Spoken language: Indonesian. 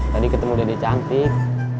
tadi ketemu dede cantik